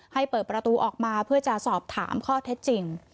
ให้เปิดประตูออกมาเพื่อจะสอบถามข้อเท็จจริง